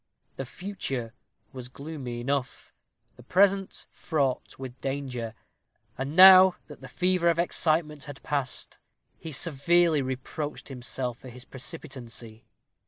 The future was gloomy enough the present fraught with danger. And now that the fever of excitement was passed, he severely reproached himself for his precipitancy.